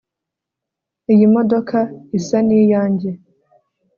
Iyi modoka isa niyanjye